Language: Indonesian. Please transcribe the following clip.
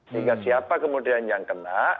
sehingga siapa kemudian yang kena